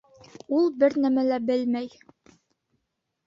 Ул бер нәмә лә белмәй.